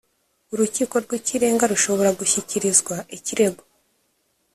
urukiko rw ikirenga rushobora gushyikirizwa ikirego